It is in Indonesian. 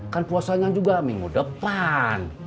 kan puasanya juga minggu depan